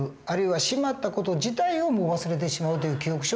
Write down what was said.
あるいはしまった事自体をもう忘れてしまうという記憶